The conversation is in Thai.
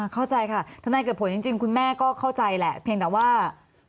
เข้าใจค่ะทนายเกิดผลจริงคุณแม่ก็เข้าใจแหละเพียงแต่ว่า